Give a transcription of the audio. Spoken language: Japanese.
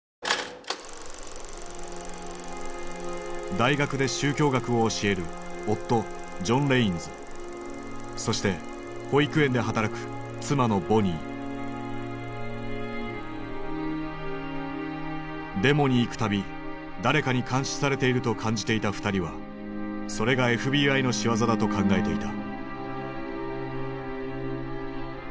大学で宗教学を教えるそして保育園で働くデモに行く度誰かに監視されていると感じていた２人はそれがＦＢＩの仕業だと考えていた。